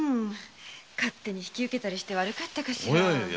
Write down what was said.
勝手に引き受けたりして悪かったかしら？